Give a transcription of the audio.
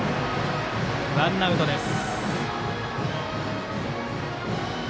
ワンアウトです。